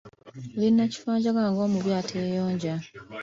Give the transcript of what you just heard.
Oli nakifanjagala ng’omubi ateeyonja.